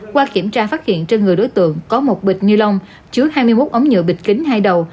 qua kiểm tra phát hiện trên người đối tượng có một bịch như lông chứa hai mươi một ống nhựa bịch kính hay đầu